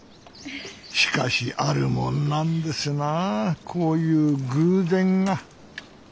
しかしあるもんなんですなあこういう偶然が。